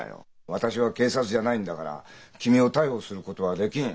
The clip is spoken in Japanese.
私は警察じゃないんだから君を逮捕することはできん。